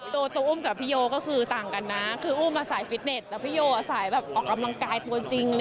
ตัวอุ้มกับพี่โยก็คือต่างกันนะคืออุ้มสายฟิตเน็ตแล้วพี่โยสายแบบออกกำลังกายตัวจริง